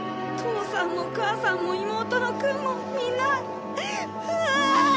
父さんも母さんも妹のクンもみんな。